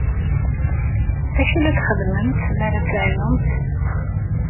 D acu i txeddmemt mi ara ad teɛyumt?